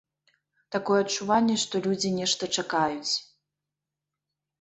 Такое адчуванне, што людзі нешта чакаюць.